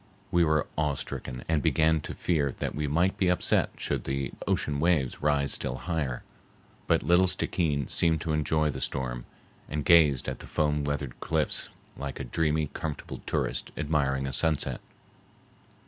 We were awe stricken and began to fear that we might be upset should the ocean waves rise still higher. But little Stickeen seemed to enjoy the storm, and gazed at the foam wreathed cliffs like a dreamy, comfortable tourist admiring a sunset.